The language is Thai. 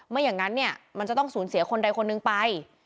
อย่างนั้นเนี่ยมันจะต้องสูญเสียคนใดคนหนึ่งไป